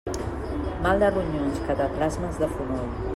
Mal de ronyons, cataplasmes de fonoll.